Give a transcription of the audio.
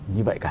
như vậy cả